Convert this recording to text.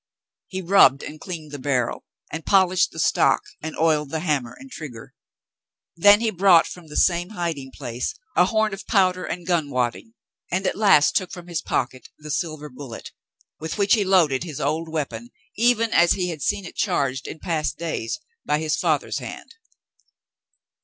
He rubbed and cleaned the barrel and polished the stock and oiled the hammer and trigger. Then he brought from the same hiding place a horn of powder and gun wadding, and at last took from his pocket the silver bullet, with which he loaded his old weapon even as he had seen it charged in past days by his father's hand.